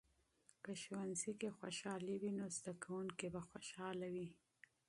که ښوونځۍ کې خوشحالي وي، نو زده کوونکي به خوشحاله وي.